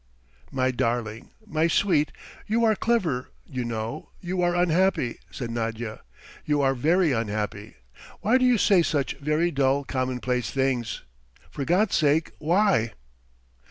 "My darling, my sweet, you are clever you know, you are unhappy," said Nadya. "You are very unhappy; why do you say such very dull, commonplace things? For God's sake, why?"